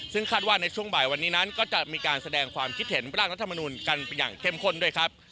ซึ่งคาดว่าในช่วงบ่ายวันนี้นั้นก็จะมีการแสดงความคิดเห็นร่างรัฐมนุนกันอย่างเข้มข้นด้วยครับ